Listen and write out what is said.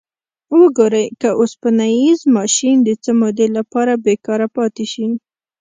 وګورئ که اوسپنیز ماشین د څه مودې لپاره بیکاره پاتې شي.